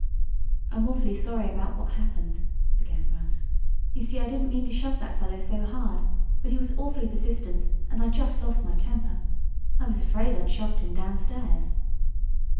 "I'm awfully sorry about what happened," began Russ. "You see I didn't mean to shove that fellow so hard. But he was awfully persistent, and I just lost my temper. I was afraid I'd shoved him downstairs."